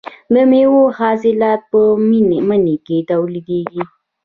د میوو حاصلات په مني کې ټولېږي.